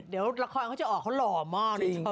เดี๋ยวละครเขาจะออกเขาหล่อมากเลย